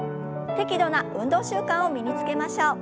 適度な運動習慣を身につけましょう。